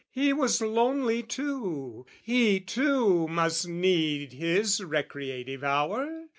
He was lonely too, He, too, must need his recreative hour.